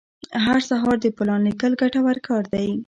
هر سهار د پلان لیکل ګټور کار دی.